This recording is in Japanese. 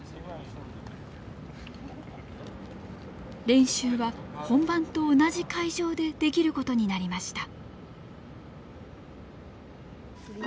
練習は本番と同じ会場でできることになりました。